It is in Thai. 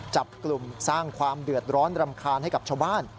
จับกลุ่มสร้างความเดือดร้อนรำคาญให้กับชาวบ้าน